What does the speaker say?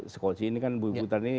seperti ini kan bumi putra